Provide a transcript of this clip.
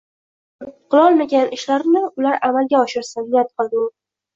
Men qilolmagan ishlarni ular amalga oshirsin — niyat qildi u